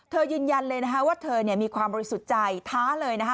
ยืนยันเลยนะคะว่าเธอมีความบริสุทธิ์ใจท้าเลยนะคะ